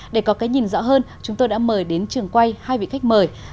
để có cái nhìn rõ hơn chúng tôi đã mời đến trường quay hai vị khách mời